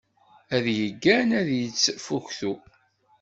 Ad yeggan ad yettfuktu.